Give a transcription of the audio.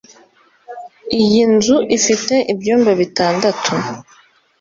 iyi nzu ifite ibyumba bitandatu